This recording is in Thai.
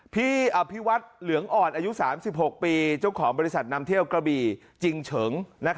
พี่อภิวัฒน์เหลืองอ่อนอายุ๓๖ปีเจ้าของบริษัทนำเที่ยวกระบี่จริงเฉิง